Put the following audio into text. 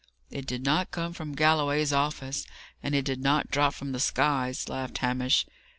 "It did not come from Galloway's office, and it did not drop from the skies," laughed Hamish.